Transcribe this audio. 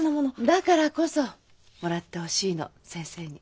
だからこそもらってほしいの先生に。